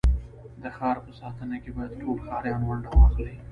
د ښار په ساتنه کي بايد ټول ښاریان ونډه واخلي.